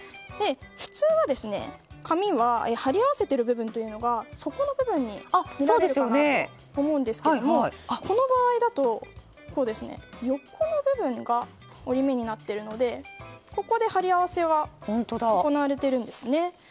普通、紙は貼り合わせている部分が底の部分に見られるかなと思うんですけどもこの場合だと横の部分が折り目になっているのでここで貼り合わせは行われているんです。